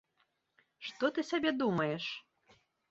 Што ты сабе думаеш?